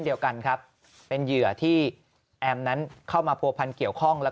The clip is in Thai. เดียวกันครับเป็นเหยื่อที่แอมนั้นเข้ามาผัวพันเกี่ยวข้องและ